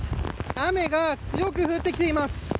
雨が強くなってきています。